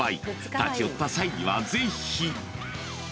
［立ち寄った際にはぜひ］